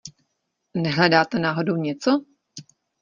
Nehledáte náhodou něco?